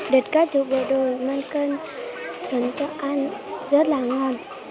được các chú bộ đội mang cơm xuống cho ăn rất là ngon